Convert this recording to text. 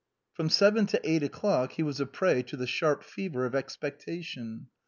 From seven to eight o'clock he was a prey to the sharp fever of expectation.